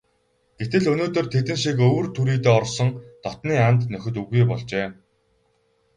Гэтэл өнөөдөр тэдэн шиг өвөр түрийдээ орсон дотнын анд нөхөд үгүй болжээ.